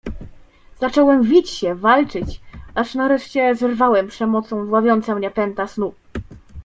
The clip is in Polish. "Zacząłem wić się, walczyć aż nareszcie zerwałem przemocą dławiące mnie pęta snu."